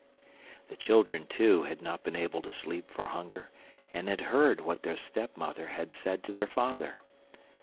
The children, too, had not been able to sleep for hunger, and had heard what their step mother had said to their father.